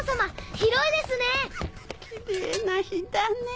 きれいな火だねぇ。